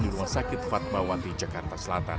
di rumah sakit fatbah wati jakarta selatan